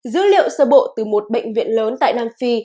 dữ liệu sơ bộ từ một bệnh viện lớn tại nam phi